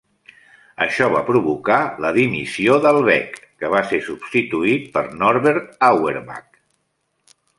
Això va provocar la dimissió d'Albeck que va ser substituït per Norbert Auerbach.